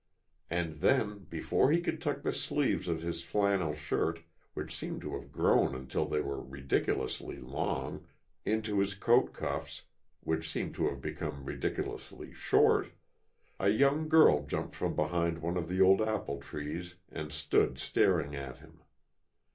And then, before he could tuck the sleeves of his flannel shirt which seemed to have grown until they were ridiculously long into his coat cuffs which seemed to have become ridiculously short a young girl jumped from behind one of the old apple trees and stood staring at him.